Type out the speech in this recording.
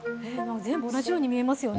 全部同じように見えますよね。